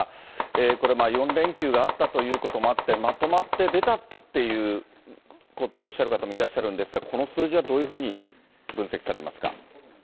これ４連休があったということもあって、まとまって出たっていうことをおっしゃる方もいらっしゃるんですが、この数字はどういうふうに分析されますか。